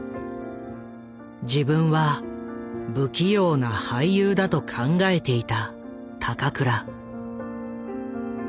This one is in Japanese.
自分は不器用な俳優だと考えていた高倉。